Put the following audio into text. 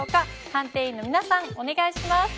判定員の皆さんお願いします。